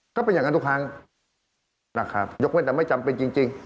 ก็เป็นอย่างนั้นทุกครั้งนะครับยกเว้นแต่ไม่จำเป็นจริง